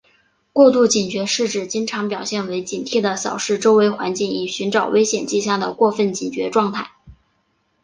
过度警觉是指经常表现为警惕地扫视周围环境以寻找危险迹象的过分警觉状态。